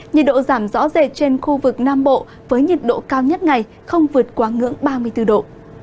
nhiệt độ giảm rõ rệt trên khu vực nam bộ với nhiệt độ cao nhất ngày không vượt quá ngưỡng ba mươi bốn độ